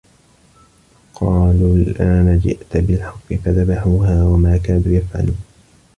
ۚ قَالُوا الْآنَ جِئْتَ بِالْحَقِّ ۚ فَذَبَحُوهَا وَمَا كَادُوا يَفْعَلُونَ